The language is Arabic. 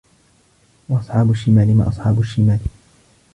وَأَصحابُ الشِّمالِ ما أَصحابُ الشِّمالِ